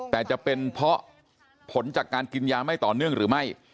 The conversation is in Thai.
แต่จะเป็นเพราะผลจากการกินยาไม่ต่อเนื่องหรือไม่